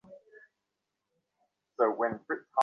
আমার চেয়েও বড় আঁতেল এখানে থাকলে প্লিজ নিয়ে আসুন তাকে!